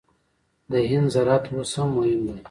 د هند زراعت اوس هم مهم دی.